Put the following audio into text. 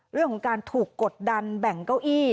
เรื่องของการถูกกดดันไอแก้วอี้